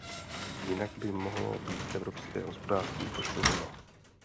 Jinak by mohlo být evropské hospodářství poškozeno.